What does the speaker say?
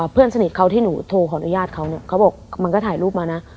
เพื่อนสนิทเขาที่หนูโทรขออนุญาตเขาเนี่ยเขาบอกมันก็ถ่ายรูปมานะ